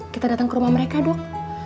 kita datang ke rumah mereka dok